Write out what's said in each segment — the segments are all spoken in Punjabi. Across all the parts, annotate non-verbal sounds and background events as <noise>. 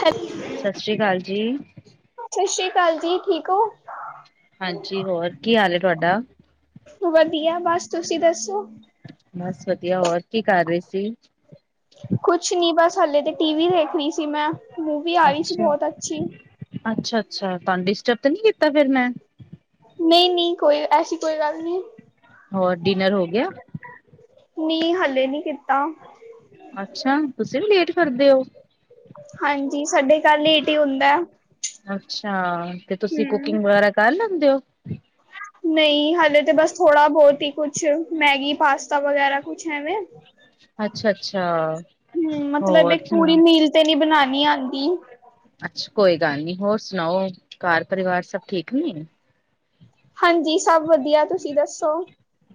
ਹੈਲ। ਸਤਿ ਸ੍ਰੀ ਅਕਾਲ ਜੀ। ਸਸਰੀ ਕਾਲ ਜੀ। ਠੀਕ ਹੋ? ਹਾਂਜੀ। ਹੋਰ ਕੀ ਹਾਲ ਏ ਤੁਹਾਡਾ? ਵਧੀਆ, ਬਸ ਤੁਸੀਂ ਦੱਸੋ? ਬਸ ਵਧੀਆ। ਹੋਰ ਕੀ ਕਰ ਰੇ ਸੀ? ਕੁਛ ਨੀ ਬਸ ਹਲੇੇ ਤੇ ਟੀਵੀ ਵੇਖ ਰਹੀ ਸੀ ਮੈਂ ਮੂਵੀ ਆ ਰਹੀ ਸੀ ਅੱਛਾ, ਬਹੁਤ ਅੱਛੀ। ਅੱਛਾ-ਅੱਛਾ। ਤੁਹਾਨੂੰ ਡਿਸਟਰਬ ਤੇ ਨੀ ਕੀਤਾ ਫਿਰ ਮੈਂ? ਨਹੀਂ- ਨਹੀਂ ਕੋਈ, ਐਸੀ ਕੋਈ ਗੱਲ ਨੀ। ਹੋਰ ਡਿਨਰ ਹੋ ਗਿਆ? ਨੀ ਹਲੇ ਨੀ ਕੀਤਾ। ਅੱਛਾ ਤੁਸੀਂ ਵੀ ਲੇਟ ਕਰਦੇ ਔ? ਹਾਂਜੀ ਸਾਡੇ ਘਰ ਲੇਟ ਹੀ ਹੁੰਦੈ ਅੱਛਾ ਤੇ ਤੁਸੀਂ ਕੁਕਿੰਗ ਵਗੈਰਾ ਕਰ ਲੈਂਦੇ ਔ? ਨਈ ਹਲੇ ਤਾਂ ਬਸ ਥੋੜਾ ਬਹੁਤ ਹੀ ਕੁਛ ਮੈਗੀ, ਪਾਸਤਾ ਵਗੈਰਾ ਕੁਛ ਐਵੇਂ ਅੱਛਾ- ਅੱਛਾ ਹੂੰ ਮਤਲਬ ਇੱਕ ਪੁਰੀ ਮੀਲ ਤੇ ਨੀ ਬਣਾਨੀ ਆਂਦੀ ਅੱਛਾ, ਕੋਈ ਗੱਲ ਨੀ ਹੋਰ ਸੁਣਾਓ ਘਰ ਪਰਿਵਾਰ ਸਭ ਠੀਕ ਨੇ? ਹਾਂਜੀ ਸਭ ਵਧੀਆ, ਤੁਸੀਂ ਦੱਸੋ?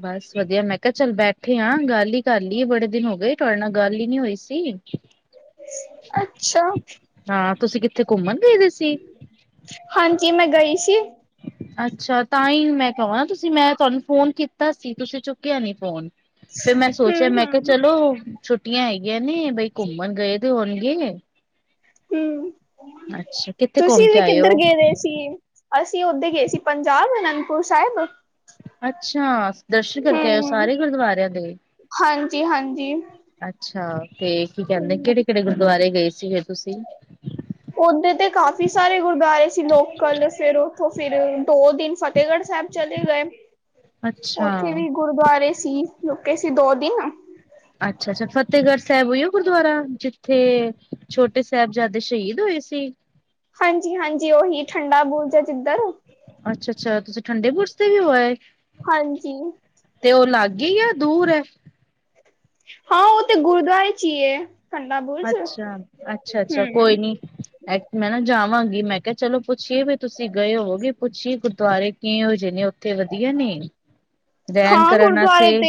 ਬਸ ਵਧੀਆ ਮੈਂ ਕਿਹਾ ਚੱਲ ਬੈਠੇ ਆ ਗੱਲ ਹੀ ਕਰ ਲੀਏ ਬੜੇ ਦਿਨ ਹੋਗੇ ਤੁਹਾਡੇ ਨਾਲ ਗੱਲ ਹੀ ਨੀ ਹੋਈ ਸੀ। ਅੱਛਾ ਹਾਂ ਤੁਸੀਂ ਕਿੱਥੇ ਘੁੰਮਣ ਗਏ ਦੇ ਸੀ? ਹਾਂਜੀ ਮੈਂ ਗਈ ਸੀ। ਅੱਛਾ! ਤਾਂ ਹੀ ਮੈਂ ਕਵਾ ਤੁਸੀਂ ਮੈਂ ਤੁਹਾਨੂੰ ਫੋਨ ਕੀਤਾ ਸੀ ਤੁਸੀਂ ਚੁੱਕਿਆ ਨੀ ਫੋਨ। ਫਿਰ ਮੈਂ ਸੋਚਿਆ ਹਮ ਮੈਂ ਕਿਹਾ ਹਮ ਚਲੋ ਛੁੱਟੀਆਂ ਹੈਗੀਆਂ ਨੇ ਬਈ ਘੁੰਮਣ ਗਏ ਦੇ ਹੋਣਗੇ। ਹਮ ਅੱਛਾ ਕਿੱਥੇ ਘੁੰਮ ਤੁਸੀਂ ਕੇ ਵੀ ਆਏ ਕਿੱਧਰ ਔ? ਗਏ ਦੇ ਸੀ ਅਸੀਂ ਉਦੇ ਗਏ ਸੀ ਪੰਜਾਬ ਅਨੰਦਪੁਰ ਸਾਹੇਬ। ਅੱਛਾ ਦਰਸ਼ਨ ਕਰਕੇ ਆਏ ਔ ਸਾਰੇ ਗੁਰਦਵਾਰਿਆਂ ਦੇ। ਹਾਂਜੀ ਅੱਛਾ ਤੇ ਕੀ ਕਹਿੰਦੇ ਕਿਹੜੇ-ਕਿਹੜੇ ਗੁਰਦੁਆਰੇ ਗਏ ਸੀਗੇ ਤੁਸੀਂ? ਉਦੇ ਤੇ ਕਾਫ਼ੀ ਸਾਰੇ ਗੁਰਦੁਆਰੇ ਸੀ ਲੋਕਲ ਫਿਰ ਉੱਥੋਂ ਫਿਰ ਦੋ ਦਿਨ ਫਤਿਹਗੜ੍ਹ ਸਾਹਿਬ ਚਲੇ ਗਏ ਅੱਛਾ। ਉੱਥੇ ਵੀ ਗੁਰਦੁਆਰੇ ਸੀ ਰੁਕੇ ਸੀ ਦੋ ਦਿਨ ਅੱਛਾ-ਅੱਛਾ ਫਤਿਹਗੜ੍ਹ ਸਾਹਿਬ ਉਹੀ ਔ ਗੁਰਦੁਆਰਾ ਜਿੱਥੇ ਛੋਟੇ ਸਾਹਿਬਜ਼ਾਦੇ ਸ਼ਹੀਦ ਹੋਏ ਸੀ। ਹਾਂਜੀ, ਹਾਂਜੀ ਉਹੀ ਠੰਡਾ ਬੁਰਜ ਏ ਜਿਧਰ ਅੱਛਾ, ਅੱਛਾ ਤੁਸੀਂ ਠੰਡੇ ਬੁਰਜ ਤੇ ਵੀ ਹੋ ਆਏ ਹਾਂਜੀ। ਤੇ ਉਹ ਲਾਗੇ ਹੀ ਆ ਦੂਰ ਐ। ਹਾਂ ਉਹ ਤੇ ਗੁਰੂਦਵਾਰੇ ਚ ਹੀ ਐ। ਅੱਛਾ, ਅੱਛਾ, ਅੱਛਾ ਕੋਈ ਹੂੰ। ਨੀ ਮੈਂ ਨਾ ਜਾਵਾਂਗੀ ਮੈਂ ਕਿਹਾ ਚਲੋ ਪੁੱਛੀਏ ਵੀ ਤੁਸੀਂ ਗਏ ਹੋਵੋਗੇ ਪੁੱਛੀਏ ਗੁਰਦੁਆਰੇ ਕਿਹੋ ਜਹੇ ਨੇ ਉੱਥੇ ਵਧੀਆ ਨੇ ਰਹਿਣ ਹਾਂ ਕਰਨ ਗੁਰਦੁਆਰੇ ਵਾਸਤੇ ਤੇ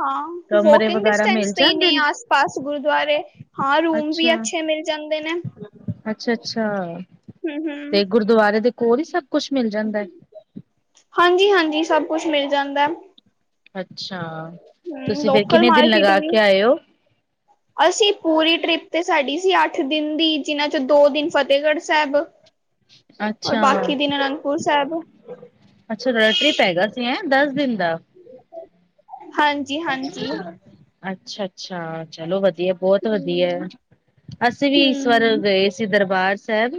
ਹਾਂ ਕਮਰੇ ਵੋਕਿੰਗ ਵਗੈਰਾ ਮਿਲ ਡਿਸਟੈਂਸ ਤੇ ਹੀ ਜਾਂਦੇ ਨੇ ਆ ਸ ਪਾਸ ਗੁਰਦੁਆਰੇ ਹਾਂ ਰੂਮ ਵੀ ਅੱਛੇ ਮਿਲ ਜਾਂਦੇ ਨੇ ਅੱਛਾ, ਅੱਛਾ ਹੂੰ ਹੂੰ ਤੇ ਗੁਰਦੁਆਰੇ ਦੇ ਕੋਲ ਹੀ ਸਭ ਕੁਛ ਮਿਲ ਜਾਂਦਾ ਐ ਹਾਂਜੀ, ਹਾਂਜੀ ਸਭ ਕੁਛ ਮਿਲ ਜਾਂਦਾ ਅੱਛਾ ਹੂੰ ਤੁਸੀਂ ਫੇਰ ਲੋਕਲ ਕਿੰਨੇ ਦਿਨ ਮਾਰਕੀਟ ਲਗਾ ਵੀ ਕੇ ਆਏ ਹੋ ਅਸੀਂ ਪੂਰੀ ਟ੍ਰਿਪ ਤੇ ਸਾਡੀ ਸੀ ਅੱਠ ਦਿਨ ਦੀ ਜਿਨਾਂ ਚੋਂ ਦੋ ਦਿਨ ਫਤਿਹਗੜ੍ਹ ਸਾਹਿਬ ਔਰ ਅੱਛਾ, ਬਾਕੀ ਦਿਨ ਅਨੰਦਪੁਰ ਸਾਹਿਬ ਅੱਛਾ <unintelligible> ਟ੍ਰਿਪ ਹੈਗਾ ਐ ਦਸ ਦਿਨ ਦਾ ਹਾਂਜੀ, ਹਾਂਜੀ ਅੱਛਾ, ਅੱਛਾ ਚਲੋ ਵਧੀਆ ਬਹੁਤ ਵਧੀਆ ਐ ਹੂੰ ਅਸੀਂ ਵੀ ਇਸ ਵਾਰ ਹੂੰ ਗਏ ਸੀ ਦਰਬਾਰ ਸਾਹਿਬ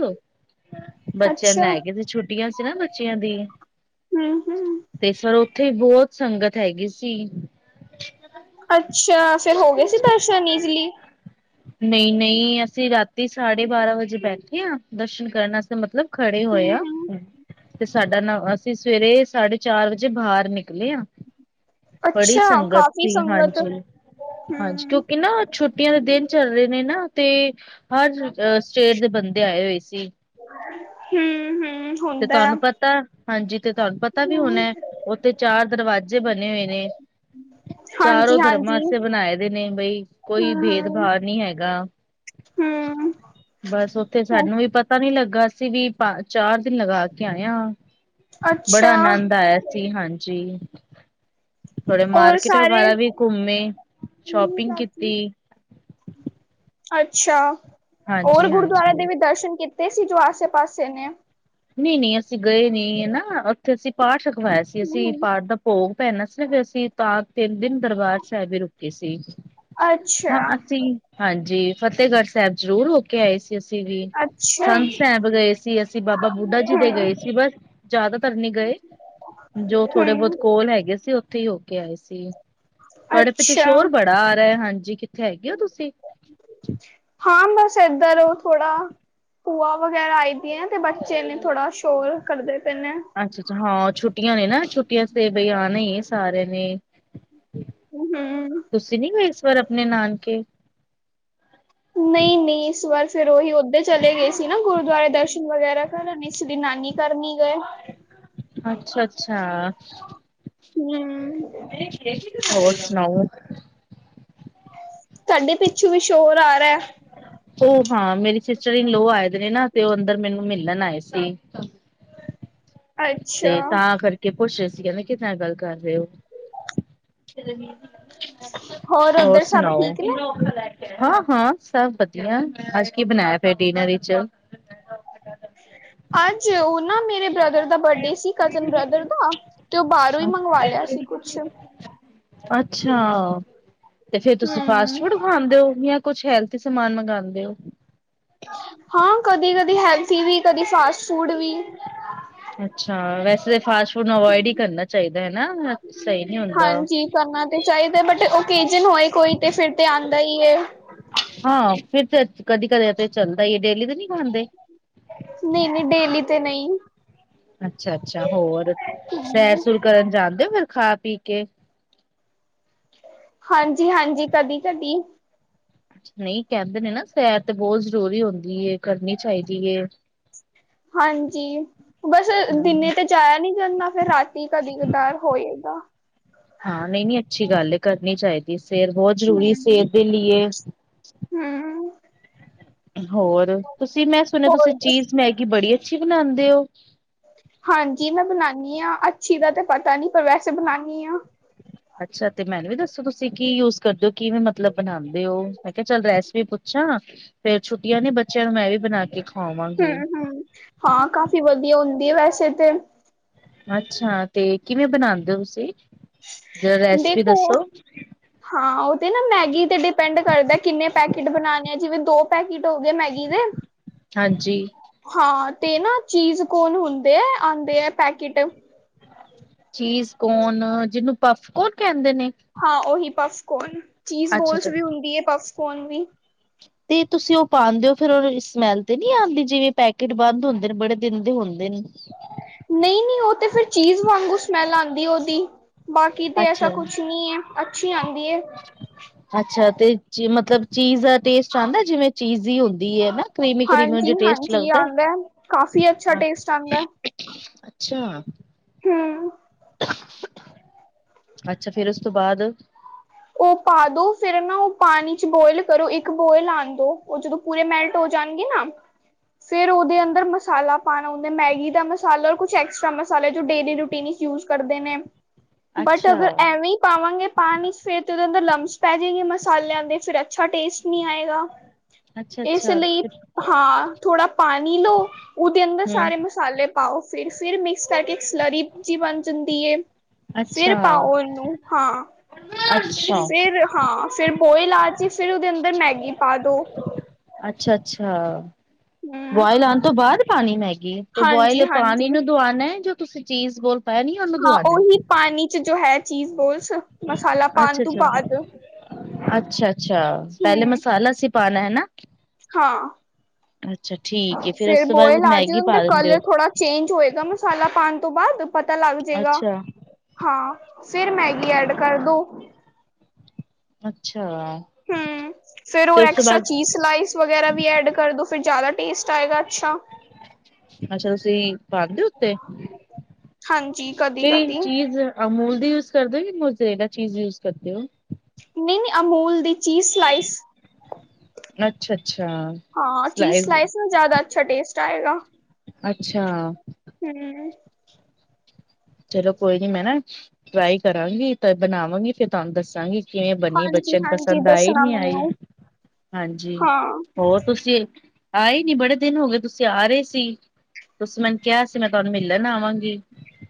ਬੱਚਿਆਂ ਨੂੰ ਅੱਛਾ ਲੈ ਕੇ ਤੇ ਛੁੱਟੀਆਂ ਸੀ ਨਾ ਬੱਚਿਆਂ ਦੀ ਹੂੰ ਹੂੰ ਤੇ ਇਸ ਵਾਰ ਉੱਥੇ ਹੀ ਬਹੁਤ ਸੰਗਤ ਹੈਗੀ ਸੀ ਅੱਛਾ ਫੇਰ ਹੋ ਗਏ ਸੀ ਦਰਸ਼ਨ ਈਜ਼ਲੀ ਨਹੀਂ, ਨਹੀਂ ਅਸੀਂ ਰਾਤੀ ਸਾਢੇ ਬਾਰਾਂ ਵਜੇ ਬੈਠੇ ਆ ਦਰਸ਼ਨ ਕਰਨ ਵਾਸਤੇ ਮਤਲਬ ਖੜੇ ਹੋਏ ਹੂੰ ਆ ਹੂੰ ਤੇ ਸਾਡਾ ਨ ਅਸੀਂ ਸਵੇਰੇ ਸਾਢੇ ਚਾਰ ਵਜੇ ਬਾਹਰ ਨਿਕਲੇ ਆਂ। ਅੱਛਾ ਸੰਗਤ ਕਾਫ਼ੀ ਸੀ, ਸੰਗਤ ਹਾਂਜੀ- ਹਾਂਜੀ। ਹੂੰ, ਕਿਉਂਕਿ ਨਾ ਛੁੱਟੀਆਂ ਦੇ ਦਿਨ ਚੱਲ ਰਹੇ ਨੇ ਨਾ ਤੇ ਹਰ ਅ ਸਟੇਟ ਦੇ ਬੰਦੇ ਆਏ ਹੋਏ ਸੀ। ਹੂੰ -ਹੂੰ। ਤੇ ਤੁਹਾਨੂੰ ਪਤਾ ਹਾਂਜੀ, ਤੇ ਤੁਹਾਨੂੰ ਪਤਾ ਵੀ ਹੋਣਾ ਉੱਥੇ ਚਾਰ ਦਰਵਾਜ਼ੇ ਬਣੇ ਹੋਏ ਨੇ। ਚਾਰੋ ਧਰਮਾਂ ਹਾਂਜੀ-ਹਾਂਜੀ, ਆਸਤੇ ਬਣਾਏ ਦੇ ਨੇ ਬਈ ਕੋਈ ਹੂੰ-ਹੂੰ, ਹੂੰ। ਭੇਦਭਾਵ ਨਹੀਂ ਹੈਗਾ। ਹੂੰ ਬਸ ਉੱਥੇ ਹੂੰ ਸਾਨੂੰ ਵੀ ਪਤਾ ਨੀ ਲੱਗਾ ਅਸੀ ਵੀ ਪਾ ਚਾਰ ਦਿਨ ਲਗਾ ਕੇ ਆਏ ਆਂ, ਬੜਾ ਅੱਛਾ, ਆਨੰਦ ਆਇਆ ਸੀ ਹਾਂਜੀ। ਥੋੜੇ ਔਰ ਮਾਰਕੀਟ ਸਾਰੇ ਵਗੈਰਾ ਵੀ ਘੁੰਮੇ ਸ਼ੋਪਿੰਗ ਕੀਤੀ ਅੱਛਾ ਔਰ ਹਾਂਜੀ ਗੁਰਦੁਆਰਾ ਹਾਂਜੀ ਦੇ ਵੀ ਦਰਸ਼ਨ ਕੀ- ਤੇ ਸੀ ਜੋ ਆਸੇ- ਪਾਸੇ ਨੇ। ਨਹੀਂ- ਨਹੀਂ ਅਸੀਂ ਗਏ ਨੀ ਹੈਨਾ, ਉੱਥੇ ਅਸੀਂ ਪਾਠ ਰਖਵਾਇਆ ਸੀ ਅਸੀਂ ਪਾਠ ਦਾ ਭੋਗ ਪੈਣਾ ਸੀ ਫੇਰ ਅਸੀਂ ਤਾਂ ਤਿੰਨ ਦਿਨ ਦਰਬਾਰ ਸਾਹਿਬ ਵੀ ਰੁਕੇ ਸੀ। ਹਾਂ ਅੱਛਾ, ਅਸੀਂ, ਹਾਂਜੀ ਫਤਿਹਗੜ ਸਾਹਿਬ ਜ਼ਰੂਰ ਹੋ ਕੇ ਆਏ ਸੀ। ਅਸੀਂ ਵੀ, ਅੱਛਾ, ਕੰਧ ਸਾਹਿਬ ਗਏ ਸੀ ਅਸੀਂ ਬਾਬਾ ਬੁੱਢਾ ਜੀ ਦੇ ਹੂੰ, ਗਏ ਸੀ ਬਸ ਜ਼ਿਆਦਾਤਰ ਨੀ ਗਏ ਜੋ ਥੋੜੇ ਬਹੁਤ ਹੂੰ। ਕੋ ਲ ਹੈਗੇ ਸੀ ਉੱਥੇ ਹੀ ਹੋ ਕੇ ਆਏ ਸੀ, ਤੁਹਾਡੇ ਪਿੱਛੇ ਅੱਛਾ, ਸ਼ੋਰ ਬੜਾ ਆ ਰਿਹਾ ਹੈ, ਹਾਂਜੀ। ਥੇ ਹੈਗੇ ਹੋ ਤੁਸੀਂ? ਹਾਂ ਬਸ ਏਧਰ ਥੋੜਾ ਭੂਆ ਵਗੈਰਾ ਆਈ ਦੀਆਂ ਤੇ ਬੱਚੇ ਨੇ ਥੋੜਾ ਸ਼ੋਰ ਕਰਦੇ ਪਏ ਨੇ। ਅੱਛਾ- ਅੱਛਾ ਹਾਂ ਛੁੱਟੀਆਂ ਨੇ ਨਾ ਛੁੱਟੀਆਂ ਤੇ ਬਈ ਆਣਾ ਹੀ ਏ ਸਾਰੇਆਂ ਨੇ। ਹੂੰ-ਹੂੰ। ਤੁਸੀਂ ਨੀ ਗਏ ਇਸ ਵਾਰ ਆਪਣੇ ਨਾਨਕੇ? ਨਹੀਂ- ਨਹੀਂ ਇਸ ਵਾਰ ਫੇਰ ਉਹੀ ਓਧਰ ਚਲੇ ਗਏ ਸੀ ਨਾ ਗੁਰੂਦੁਆਰੇ ਦਰਸ਼ਨ ਵਗੈਰਾ ਕਰਨ ਇਸ ਲਈ ਨਾਨੀ ਘਰ ਨੀ ਗਏ? ਠ <unintelligible> ਅੱਛਾ- ਅੱਛਾ, ਹੋਰ ਸੁਣਾਓ? ਤੁਹਾਡੇ ਪਿੱਛੋਂ ਵੀ ਸ਼ੋਰ ਆ ਰਿਹਾ ਹੈ। ਉਹ ਹਾਂ, ਮੇਰੀ ਸਿਸਟਰ ਇਨ ਲੋ ਆਏ ਦੇ ਨੇ ਨਾ ਤੇ ਉਹ ਅੰਦਰ ਮੈਨੂੰ ਮਿਲਣ ਆਏ ਸੀ। ਅੱਛਾ ਤੇ ਤਾਂ ਕਰਕੇ ਪੁੱਛ ਰਹੇ ਸੀ ਕਹਿੰਦੇ, ਕਿਦੇ ਨਾਲ ਗੱਲ ਕਰ ਰਹੇ ਹੋ? ਹੋਰ ਉੱਧਰ ਸਭ ਸੁਣਾਓ? ਠੀਕ ਨੇ? ਹਾਂ-ਹਾਂ ਸਭ ਵਧੀਆ ਏ ਅੱਜ ਕੀ ਬਣਾਇਆ ਫੇਰ ਡਿਨਰ ਵਿੱਚ? ਅੱਜ, ਉਹ ਨਾ ਮੇਰੇ ਬ੍ਰਦਰ ਦਾ ਬਰਡੇ ਸੀ ਕਜ਼ਨ ਬ੍ਰਦਰ ਦਾ। ਤੇ, ਉਹ ਬਾਹਰੋਂ ਹੀ ਮੰਗਵਾ ਲਿਆ ਸੀ ਕੁਛ। ਅੱਛਾ, ਤੇ ਫੇਰ ਤੁਸੀਂ ਫਾਸਟ ਫੂਡ ਖਾਨਦੇ ਹੋ, ਜਾਂ ਕੁਛ ਹੈਲਥੀ ਸਮਾਨ ਮੰਗਾਂਦੇ ਹੋ? ਹਾਂ ਕਦੀ-ਕਦੀ ਹੈਲਥੀ ਵੀ, ਕਦੀ ਫਾਸਟ ਫੂਡ ਵੀ। ਅੱਛਾ ਵੈਸੇ ਫਾਸਟ ਫੂਡ ਨੂੰ ਅਵੋਇਡ ਹੀ ਕਰਨਾ ਚਾਹੀਦਾ ਹੈਨਾ? ਸਹੀ ਨੀ ਹੁੰਦਾ ਓ। ਹਾਂਜੀ ਕਰਨਾ ਤੇ ਚਾਹੀਦਾ, ਬਟ ਓਕੇਜਨ ਹੋਏ ਕੋਈ ਤੇ ਫੇਰ ਤੇ ਆਂਦਾ ਹੀ ਹੈ। ਹਾਂ, ਫੇਰ ਤੇ ਕਦੀ- ਕਦੇ ਦਾ ਤੇ ਚੱਲਦਾ ਹੀ ਡੇਲੀ ਤੇ ਨਹੀਂ ਖਾਂਦੇ। ਨਹੀਂ-ਨ ਹੀਂ ਡੇਲੀ ਤੇ ਨਹੀਂ। ਅੱਛਾ-ਅੱਛਾ ਹੋਰ, ਸੈਰ-ਸੁਰ ਕਰਨ ਜਾਣਦੇ ਹੋ ਫੇਰ ਖਾ- ਪੀ ਕੇ? ਹਾਂਜੀ-ਹਾਂਜੀ, ਕਦੀ -ਕਦੀ। ਨਹੀਂ, ਕਹਿੰਦੇ ਨੇ ਨਾ ਸੈਰ ਤੇ ਬਹੁਤ ਜ਼ਰੂਰੀ ਹੁੰਦੀ ਹੈ, ਕਰਨੀ ਚਾਹੀਦੀ ਹੈ। ਹਾਂਜੀ, ਬਸ ਦਿਨੇ ਤੇ ਜਾਇਆ ਨੀ ਜਾਂਦਾ, ਫੇਰ ਰਾਤੀ ਕਦੀ ਕਧਾਰ ਹੋਇਦਾ। ਹਾਂ, ਨਹੀਂ-ਨਹੀਂ ਅੱਛੀ ਗੱਲ ਹੈ ਕਰਨੀ ਚਾਹੀਦੀ, ਸੈਰ ਬਹੁਤ ਜ਼ਰੂਰੀ, ਸਿਹਤ ਦੇ ਲਈਏ। ਹਮ। ਹੋਰ, ਤੁਸੀਂ ਮੈਂ ਸੁਣਿਆ ਹੋਰ ਤੁਸੀਂ ਚੀਜ਼ ਦੱਸੋ? ਮੈਗੀ, ਬੜੀ ਅੱਛੀ ਬਣਾਉਦੇ ਹੋ? ਹਾਂਜੀ, ਮੈਂ ਬਣਾਉਂਦੀ ਹਾਂ ਅੱਛੀ ਦਾ ਤੇ ਪਤਾ ਨੀ, ਪਰ ਵੈਸੇ ਬਣਾਉਂਦੀ ਹਾਂ। ਅੱਛਾ, ਤੇ ਮੈਨੂੰ ਵੀ ਦੱਸੋ ਤੁਸੀਂ ਕੀ ਯੂਜ ਕਰਦੇ ਹੋ, ਕਿਵੇਂ ਮਤਲਬ ਬਣਾਉਂਦੇ ਹੋ, ਮੈਂ ਕਿਹਾ ਚੱਲ ਰੈਸਪੀ ਪੁੱਛਾਂ? ਫੇਰ, ਛੁੱਟੀਆਂ ਨੇ ਬੱਚਿਆਂ ਨੂੰ ਮੈਂ ਵੀ ਬਣਾ ਕੇ ਖਵਾਵਾਂਗੀ। ਹਮ-ਹਮ, ਹਾਂ ਕਾਫੀ ਵਧੀਆ ਹੁੰਦੀ ਹੈ ਵੈਸੇ ਤੇ ਅੱਛਾ, ਤੇ ਕਿਵੇਂ ਬਣਾਉਦੇ ਹੋ ਤੁਸੀ? ਦੇਖੋ ਹਾਂ, ਉਹ ਤੇ ਨਾ ਮੈਗੀ ਤੇ ਡਿਪੈਂਡ ਕਰਦਾ, ਕਿੰਨੇ ਪੈਕੇਟ ਬਣਾਉਣੇ ਆ, ਜਿਵੇਂ ਦੋ ਪੈਕੇਟ ਹੋ ਗਏ ਮੈਗੀ ਦੇ ਹਾਂਜੀ। ਹਾਂ ਤੇ ਨਾ ਚੀਜ਼ ਕੋਰਨ ਹੁੰਦੇ ਹੈ, ਆਉਂਦੇ ਹੈ ਪੈਕਿਟ। ਚੀਜ਼ ਕੋਰਨ, ਜਿਹਨੂੰ ਪਫ ਕੋਰਨ ਕੈਂਦੇ ਨੇ? ਹਾਂ ਉਹੀ ਪੱਫਕੋਨ, ਚੀਜ਼ ਅੱਛਾ ਬੋਲਸ ਅੱਛਾ ਵੀ ਹੁੰਦੀ ਹੈ, ਪੱਫਕੋਰਨ ਵੀ। ਤੇ ਤੁਸੀਂ ਉਹ ਪਾਉਦੇ ਹੋ, ਫੇਰ ਉਹ ਸਮੈਲ ਤੇ ਨਹੀਂ ਆਉਂਦੀ, ਜਿਵੇਂ ਪੈਕੇਟ ਬੰਦ ਹੁੰਦੇ ਨੇ ਬੜੇ- ਦਿੰਦੇ ਹੁੰਦੇ ਨੇ। ਨਹੀਂ-ਨਹੀਂ, ਉਹ ਤੇ ਫਿਰ ਚੀਜ਼ ਵਾਂਗੂ ਸਮੈਲ ਆਉਂਦੀ ਉਹਦੀ। ਬਾਕੀ ਤਾਂ ਅੱਛਾ। ਐਸਾ ਕੁਛ ਨਹੀਂ ਹੈ, ਅੱਛੀ ਆਉਂਦੀ ਹੈ। ਅੱਛਾ, ਤੇ ਮਤਲਬ ਚੀਜ਼ ਦਾ ਟੇਸਟ ਆਉਂਦਾ, ਜਿਵੇਂ ਚੀਜ਼ੀ ਹੁੰਦੀ ਹੈ। ਕਰੀਮੀ-ਕਰੀਮੀ ਜੋ ਹਾਂਜੀ ਟੇਸਟ ਹਾਂਜੀ ਲੱਗਦਾ? ਆਉਂਦਾ ਕਾਫੀ ਅੱਛਾ ਟੇਸਟ ਆਉਂਦਾ ਅੱਛਾ। ਹਮ। ਅੱਛਾ, ਫਿਰ ਉਸ ਤੋਂ ਬਾਅਦ? ਉਹ ਪਾਦੋ, ਫੇਰ ਨਾ ਉਹ ਪਾਣੀ 'ਚ ਬੋਇਲ ਕਰੋ, ਇੱਕ ਬੋਇਲ ਆਉਣ ਦੋ, ਉਹ ਜਦੋਂ ਪੂਰੇ ਮੈਲਟ ਹੋ ਜਾਣਗੇ ਨਾ ਫਿਰ ਉਹਦੇ ਅੰਦਰ ਮਸਾਲਾ ਪਾਉਣਾ ਹੁੰਦਾ, ਮੈਗੀ ਦਾ ਮਸਾਲਾ, ਔਰ ਕੁਛ ਐਕਸਟਰਾ ਮਸਾਲੇ ਜੋ ਡੇਲੀ ਰੂਟੀਨ'ਚ - ਯੂਜ਼ ਕਰਦੇ ਨੇ। ਬਟ, ਅੱਛਾ ਅਗਰ ਐਵੇਂ ਹੀ ਪਾਵਾਂਗੇ ਪਾਣੀ'ਚ- ਫੇਰ ਤੇ, ਉਹਦੇ ਅੰਦਰ ਲੰਪਸ ਪੈ ਜਾਏਗੀ ਮਸਾਲਿਆਂ ਦੇ, ਫਿਰ ਅੱਛਾ ਟੇਸਟ ਨੀ ਆਏਗਾ। ਅੱਛਾ ਇਸ ਅੱਛਾ ਲਈ, ਹਮ ਹਾਂ, ਥੋੜਾ ਪਾਣੀ ਲਓ, ਉਹਦੇ ਅੰਦਰ ਸਾਰੇ ਮਸਾਲੇ ਪਾਓ ਫਿਰ, ਫਿਰ ਮਿਕ੍ਸ ਕਰਕੇ ਸਲਰੀ ਜੀ ਬਣ ਜਾਂਦੀ ਹੈ। ਫਿਰ ਅੱਛਾ ਪਾਓ ਉਹਨੂੰ, ਹਾਂ। <unintelligible> ਫਿਰ ਹਾਂ, ਫਿਰ ਬੋਇਲ ਆ ਚੀ, ਫਿਰ ਉਹਦੇ ਅੰਦਰ ਮੈਗੀ ਪਾ ਦੋ। ਅੱਛਾ- ਅੱਛਾ। ਹਮ ਬੋਆਇਲ ਆਉਣ ਤੋਂ ਬਾਅਦ ਪਾਉਣੀ ਮੈਗੀ, ਤੇ ਹਾਂਜੀ ਬੋਇਲ ਪਾਣੀ ਹਾਂਜੀ ਨੂੰ ਦਆਉਣਾ ਹੈ, ਜੋ ਤੁਸੀਂ ਚੀਜ਼ ਬੋਲ ਪਾਇਆ ਨੀ ਉਹਨੂੰ ਹਾਂ, ਦਵਾਉਣਾ। ਉਹੀ ਪਾਣੀ 'ਚ ਜੋ ਹੈ, ਚੀਜ਼ ਬੋਲਸ। ਮਸਾਲਾ ਅੱਛਾ- ਪਾਉਣ ਤੋਂ ਅੱਛਾ, ਬਾਅਦ ਅੱਛਾ- ਅੱਛਾ, ਪਹਿਲੇ ਹਮ ਮਸਾਲਾ ਸੀ ਪਾਉਣਾ, ਹਨਾ ਹਾਂ, ਠੀਕ ਏ ਉਸ ਫੇਰ ਤੋਂ ਬਾਅਦ ਬੋਇਲ ਆ ਜੇ, ਮੈਗੀ ਉਹ ਪਾ ਦਾ ਦਿੰਦੇ ਓ ਕਲਰ ਥੋੜਾ ਚੇਂਜ ਹੋਏਗਾ ਮਸਾਲਾ ਪਾਉਣ ਤੋਂ ਬਾਅਦ, ਪਤਾ ਲੱਗ ਜਾਏਗਾ। ਅੱਛਾ-ਅੱਛਾ ਹਾਂ, ਫਿਰ ਮੈਗੀ ਐਡ ਕਰਦੋ। ਅੱਛਾ। ਹਮ ਫੇਰਰ ਐਕਸਟਰਾ ਚੀਜ਼, ਸਲਾਈਸ ਵਗੈਰਾ ਵੀ ਐਡ ਕਰਦੋ, ਫਰ ਜ਼ਿਆਦਾ ਟੇਸਟ। ਆਏਗਾ ਅੱਛਾ। ਅੱਛਾ, ਤੁਸੀਂ ਪਾਦੇ ਉੱਤੇ। ਹਾਂਜੀ ਕਦੀ -ਕਦੀ। ਅ ਮੂਲ ਦੀ ਯੂਜ ਕਰਦੇ ਹੋ ਕਿ ਮੋ ਜ਼ਰੇਲਾ ਚੀਜ਼ ਯੂਜ ਕਰਦੇ ਹੋ? ਨਹੀਂ -ਨਹੀਂ, ਅਮੂਲ ਦੀ ਚੀਜ਼। ਸਲਾਈਸ ਅੱਛਾ-ਅੱਛਾ ਚੀਜ਼, ਸਲਾਈ ਸਲਾਈਸ। ਜ਼ਿਆਦਾ ਅੱਛਾ ਟੇਸਟ ਆਏਗਾ। ਅੱਛਾ। ਹਮ। ਚਲੋ ਕੋਈ ਨੀ, ਮੈਂ ਨਾ ਟਰਾਈ ਕਰਾਂਗੀ, ਤਾਂ ਬਣਾਵਾਂਗੀ। ਫੇਰ ਤੁਹਾਨੂੰ ਦੱਸਾਂਗੀ। ਕਿਵੇਂ ਬਨੀ? ਬੱਚਨ ਹਾਂਜੀ-ਹਾਂਜੀ ਪਸੰਦਆਏ ਦੱਸਣਾ ਨੀ? ਆਏ ਮੈਨੂੰ ਹਾਂਜੀ ਹਾਂ। ਹੋਰ। ਤੁਸੀਂ ਆਏ ਨੀ? ਬੜੇ ਦਿਨ ਹੋ ਗਏ। ਤੁਸੀਂ ਆ ਰਹੇ ਸੀ। ਤੁਸੀਂ ਮੈਨੂੰ ਕਿਹਾ ਸੀ, ਮੈਂ ਤੁਹਾਨੂੰ ਮਿਲਣ ਆਵਾਂਗੀ।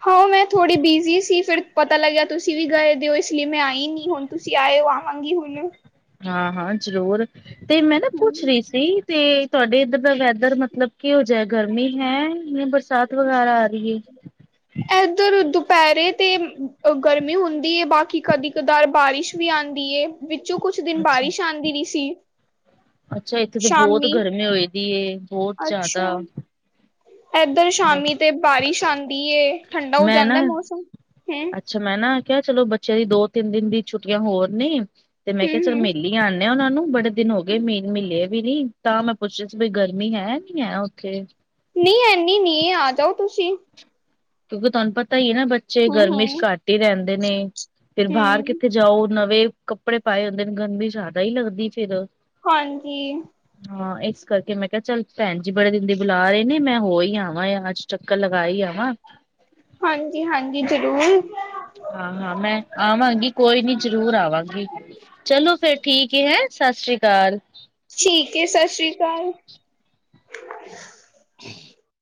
ਹਾਂ, ਮੈਂ ਥੋੜ੍ਹੀ ਬਿਜ਼ੀ ਸੀ, ਫਿਰ। ਪਤਾ ਲੱਗਿਆ, ਤੁਸੀਂ ਵੀ ਗਏ ਦਿ ਹੋ। ਇਸ ਲਈ ਮੈਂ ਆਈ ਨੀ। ਹੁਣ ਤੁਸੀਂ ਆਏਓ, ਆਵਾਂਗੀ ਹੁਣ। ਹਾਂ -ਹਾਂ, ਜ਼ਰੂਰ। ਤੇ ਮੈਂ ਨਾ ਹੂੰ। ਪੁੱਛ ਰਹੀ ਸੀ ਤੇ। ਤੁਹਾਡੇ ਇੱਧਰ ਦਾ ਵੈਦਰ ਮਤਲਬ ਕੀ? ਹੋ ਜਾ ਗਰਮੀ ਹੈ, ਬਰਸਾਤ ਵਗੈਰਾ ਆ ਰਹੀ ਹੈ। ਇੱਧਰ ਦੁਪਹਿਰੇ ਤਾਂ ਗਰਮੀ ਹੁੰਦੀ ਹੈ। ਬਾਕੀ ਕਦੇ -ਕਦਾਰ ਬਾਰਿਸ਼ ਵੀ ਆਉਂਦੀ। ਵਿੱਚੋਂ ਕੁਛ ਦਿਨ ਅੱਛਾ। ਬਾਰਿਸ਼ ਆਉਂਦੀ ਰਹੀ ਸੀ। ਅੱਛਾ, ਇੱਥੇਤਾ ਬਹੁਤ ਸ਼ਾਮੀ ਗਰਮੀ ਹੋਏ ਦੀ ਬਹੁਤ ਜ਼ਿਆਦਾ। ਅੱਛਾ ਏਧਰ ਸ਼ਾਮੀ ਤੇ ਬਾਰਿਸ਼ ਆਉਂਦੀ ਏ। ਠੰਡਾ ਹੋ ਮੈਂ ਨਾ ਜਾਂਦਾ ਮੌਸਮ ਹੂੰ ਅੱਛਾ ਮੈਂ ਨਾ ਕਿਹਾ, ਚਲੋ ਬੱਚਿਆਂ ਦੀ ਦੋ ਤਿੰਨ ਦਿਨ ਦੀ ਛੁੱਟੀਆਂ ਹੋਰ ਨੇ, ਤੇ ਮੈਂ ਹੂੰ ਕਿਹਾ ਚਲ ਹੂੰ ਮੇਰੀ। ਆਉਂਦੇ ਆ, ਉਹਨਾਂ ਨੂੰ ਬੜੇ ਦਿਨ ਹੋ ਗਏ। ਮੀਨ ਮਿਲੇ ਵੀ ਨੀ ਤਾਂ ਮੈਂ ਪੁੱਛਿਆ ਸੀ, ਵੀਈ ਗਰਮੀ ਹੈ ਨੀ ਹੈ ਉੱਥੇ। ਨਹੀਂ, ਐਨੀ ਨੀ ਆ। ਜਾਓ ਤੁਸੀਂ। ਕਿਉਂਕਿ ਤੁਹਾਨੂੰ ਪਤਾ ਹੀ ਹੈ ਨਾ, ਬੱਚੇ ਹੂੰ ਗਰਮੀ ਚ ਹੂੰ ਘੱਟ ਹੀ ਰਹਿੰਦੇ ਨੇ। ਫਿਰ ਬਾਹਰ ਹੂੰ ਕਿੱਥੇ ਜਾਓ? ਨਵੇਂ ਕੱਪੜੇ ਪਾਏ ਹੁੰਦੇ ਨੇ, ਗਰਮੀ ਜ਼ਿਆਦਾ ਹੀ ਲੱਗਦੀ ਫੇਰ। ਹਾਂਜੀ। ਹਾਂ ਇਸ ਕਰਕੇ ਮੈਂ ਕਿਹਾ, ਚੱਲ ਭੈਣ ਜੀ, ਬੜੇ ਦਿਨ ਦੀ ਬੁਲਾ ਰਹੇ ਨੇ। ਮੈਂ ਹੋ ਹੀ ਆਵਾਂ ਅੱਜ। ਚੱਕਰ ਲਗਾਾਈ ਆ ਵਾ। ਹਾਂਜੀ -ਹਾਂਜੀ, ਜ਼ਰੂਰ। ਹਾਂ- ਹਾਂ, ਮੈਂ ਆਵਾਂਗੀ ਕੋਈ ਨੀ, ਜਰੂਰ ਆਵਾਂਗੀ। ਚਲੋ ਫੇਿਰ ਠੀਕ ਹੈ। ਸਤਿ ਸ਼੍ਰੀ ਅਕਾਲ। ਠੀਕ ਹੈ‌। ਸਤਿ ਸ਼੍ਰੀ ਅਕਾਲ। <unintelligible>